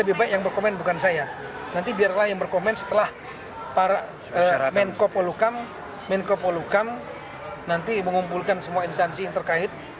ini biarlah yang berkomens setelah menko polhukam mengumpulkan semua instansi yang terkait